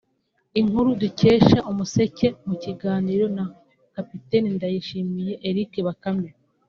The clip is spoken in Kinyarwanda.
Inkuru dukesha Umuseke mu kiganiro na kapiteni Ndayishimiye Eric Bakame